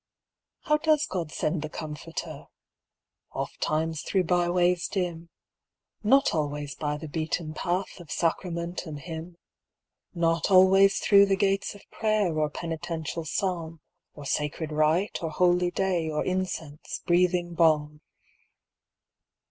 414 THE COMFORTER How does God send the Comforter ? Ofttimes through byways dim ; Not always by the beaten path Of sacrament and hymn ; Not always through the gates of prayer, Or penitential psalm, Or sacred rite, or holy day. Or incense, breathing balm.